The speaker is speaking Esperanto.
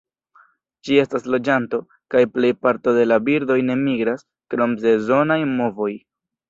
Ĝi estas loĝanto, kaj plej parto de la birdoj ne migras, krom sezonaj movoj.